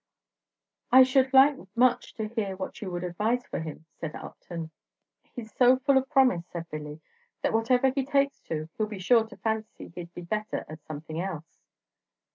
"I should like much to hear what you would advise for him," said Upton. "He's so full of promise," said Billy, "that whatever he takes to he 'll be sure to fancy he 'd be better at something else.